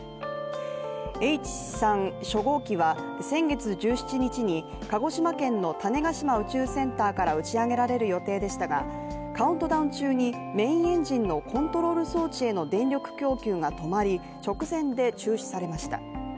Ｈ３初号機は先月１７日に鹿児島県の種子島宇宙センターから打ち上げられる予定でしたがカウントダウン中に、メインエンジンのコントロール装置への電力供給が止まり直前で中止されました。